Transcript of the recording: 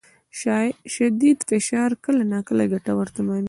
شدید فشار کله ناکله ګټور تمامېږي.